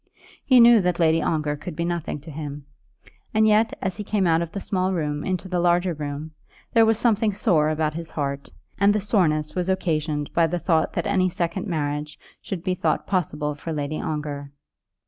He knew that Lady Ongar could be nothing to him; and yet, as he came out of the small room into the larger room, there was something sore about his heart, and the soreness was occasioned by the thought that any second marriage should be thought possible for Lady Ongar.